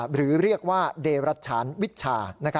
หรือเรียกว่าเดรัชชานวิชา